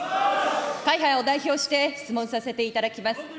会派を代表して、質問させていただきます。